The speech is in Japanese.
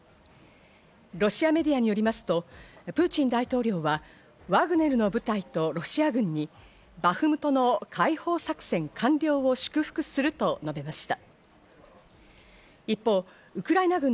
ロシアメディアによりますと、プーチン大統領はワグネルの部隊とロシア軍にバフムトの解放作戦完了を祝福すると述べました。